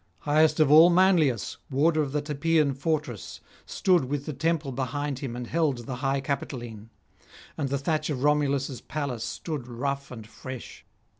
Highest of all Manlius, warder of the Tarpeian fortress, stood with the temple behind him and held the high Capitoline; and the thatch of Romulus' palace stood rough and fresh.